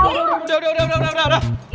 udah udah udah